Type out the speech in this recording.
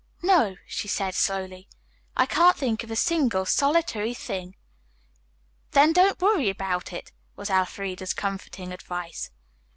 "No," she said slowly. "I can't think of a single, solitary thing." "Then don't worry about it," was Elfreda's comforting advice.